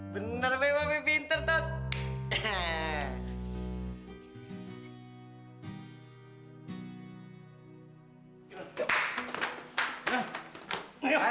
benar wp pintar tos